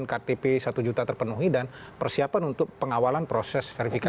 ktp satu juta terpenuhi dan persiapan untuk pengawalan proses verifikasi